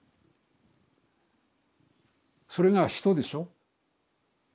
それが人でしょ。